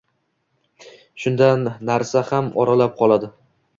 Shundan narsa ham oralab qoladi.